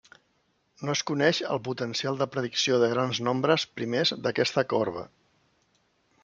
No es coneix el potencial de predicció de grans nombres primers d'aquesta corba.